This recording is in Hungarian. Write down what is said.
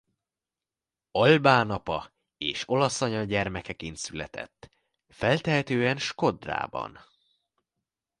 Albán apa és olasz anya gyermekeként született feltehetően Shkodrában.